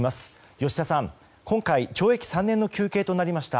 吉田さん、今回懲役３年の求刑となりました。